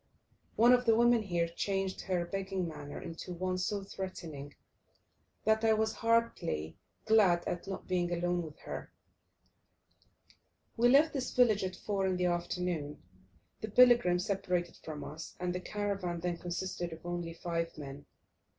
One of the women here changed her begging manner into one so threatening, that I was heartily glad at not being alone with her. We left this village at 4 in the afternoon. The pilgrim separated from us, and the caravan then consisted of only five men.